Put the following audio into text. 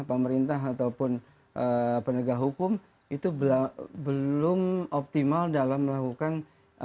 pemerintah ataupun penegak hukum itu belum optimal dalam melakukan